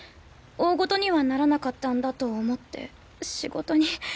大事にはならなかったんだと思って仕事に。